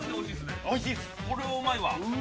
これはうまいわ。